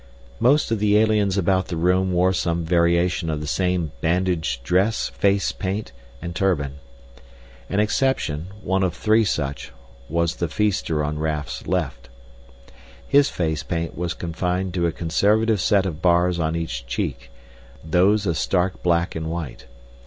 Most of the aliens about the room wore some variation of the same bandage dress, face paint, and turban. An exception, one of three such, was the feaster on Raf's left. His face paint was confined to a conservative set of bars on each cheek, those a stark black and white.